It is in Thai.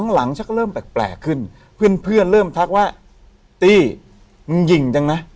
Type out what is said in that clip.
หลังชักเริ่มแปลกขึ้นเพื่อนเริ่มทักว่าตี้มึงหญิงจังนะ